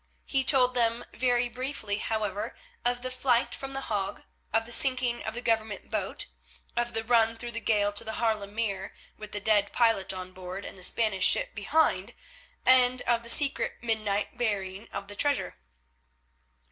He told them very briefly, however, of the flight from The Hague, of the sinking of the Government boat, of the run through the gale to the Haarlem Mere with the dead pilot on board and the Spanish ship behind, and of the secret midnight burying of the treasure.